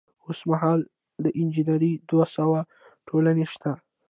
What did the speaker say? اوس مهال د انجنیری دوه سوه ټولنې شته.